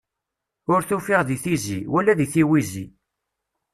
Ur t-ufiɣ di tizi, wala di tiwizi.